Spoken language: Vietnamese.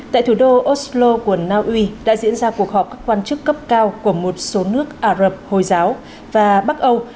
tại thủ đô oslo của naui đã diễn ra cuộc họp các quan chức cấp cao của một số nước ả rập hồi giáo và bắc âu